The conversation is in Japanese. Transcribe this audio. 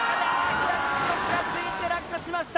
左主翼がついて落下しました。